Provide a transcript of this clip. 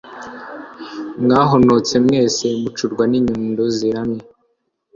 Mwahonotse mwese mucurwa n'inyundo ziramye,